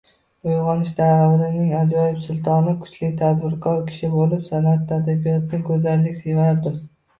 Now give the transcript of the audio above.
Uygʻonish davrining ajoyib sultoni, kuchli, tadbirkor kishi boʻlib, sanʼatni, adabiyotni, goʻzallikni sevardi”.